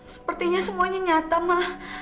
sepertinya semuanya nyata ma